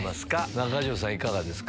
中条さん、いかがですか。